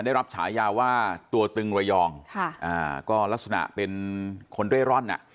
ได้รับฉายาว่าตัวตึงระยองค่ะอ่าก็ลักษณะเป็นคนเร่ร่อนอ่ะ